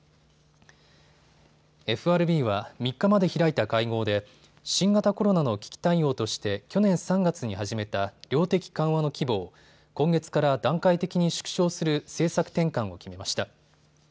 ＦＲＢは３日まで開いた会合で新型コロナの危機対応として去年３月に始めた量的緩和の規模を今月から段階的に縮小する政策転換を決めました。